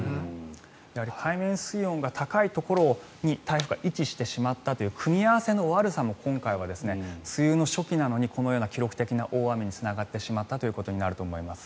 海面水温が高いところに台風が位置してしまったという組み合わせの悪さも、今回は梅雨の初期なのにこのような記録的な大雨につながってしまったということになると思います。